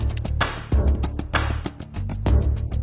แล้วตอนนั้นที่เราดูมันอยู่ที่ไหน